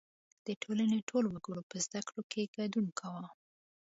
• د ټولنې ټولو وګړو په زدهکړو کې ګډون کاوه.